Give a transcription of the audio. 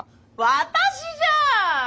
私じゃん！